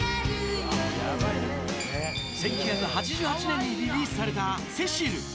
１９８８年にリリースされたセシル。